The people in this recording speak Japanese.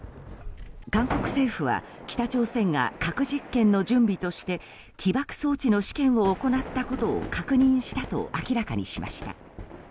韓国政府は北朝鮮が核実験の準備として起爆装置の試験を行ったことを確認したと明らかにしました。